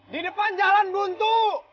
di depan jalan buntu